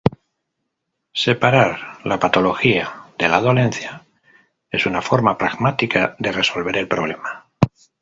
Separar la "patología" de la "dolencia" es una forma pragmática de resolver el problema.